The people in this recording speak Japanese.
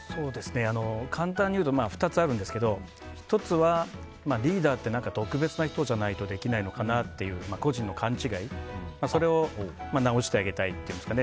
簡単に言うと２つあるんですけども１つは、リーダーって特別な人じゃないとできないのかなって個人の勘違いそれを直してあげたいっていうんですかね。